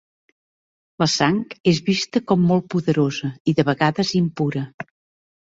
La sang és vista com molt poderosa, i de vegades impura.